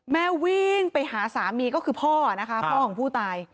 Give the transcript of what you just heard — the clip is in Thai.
แม่วิ่งไปหาสามีก็คือพ่อนะคะพ่อของผู้ตาย